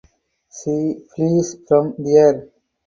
She flees from there.